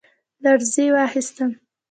لـړزې واخيسـتم ،